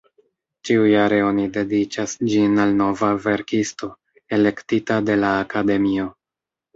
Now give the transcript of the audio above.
Ĉiujare oni dediĉas ĝin al nova verkisto, elektita de la Akademio.